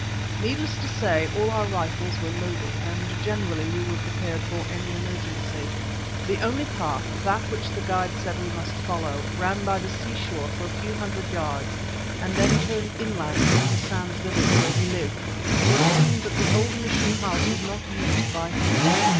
Needless to say, all our rifles were loaded, and generally we were prepared for any emergency. The only path, that which the guides said we must follow, ran by the seashore for a few hundred yards and then turned inland through Hassan's village where he lived, for it seemed that the old mission house was not used by him.